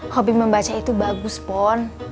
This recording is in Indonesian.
hobi membaca itu bagus pon